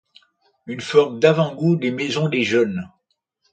Une forme d'avant goût des maisons des jeunes.